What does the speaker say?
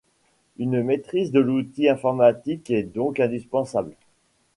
Une maîtrise de l'outil informatique est donc indispensable.